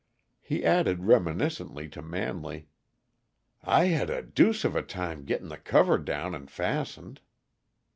He added reminiscently to Manley: "I had a deuce of a time getting the cover down and fastened."